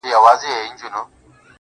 ځوان د پوره سلو سلگيو څه راوروسته